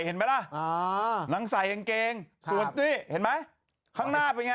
เห็นไหมล่ะนางใส่กางเกงส่วนนี่เห็นไหมข้างหน้าเป็นไง